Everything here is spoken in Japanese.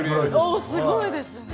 おおすごいですね。